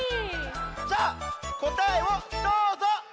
じゃあこたえをどうぞ！